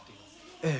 ええ。